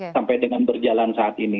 sampai dengan berjalan saat ini